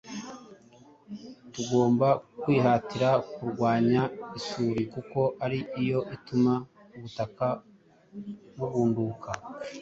Tugomba kwihatira kurwanya isuri kuko ari yo ituma ubutaka bugunduka